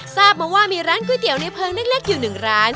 ทราบมาว่ามีร้านก๋วยเตี๋ยวในเพลิงเล็กอยู่๑ร้าน